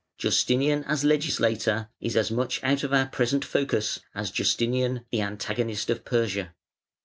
Justinian as legislator is as much out of our present focus as Justinian the antagonist of Persia.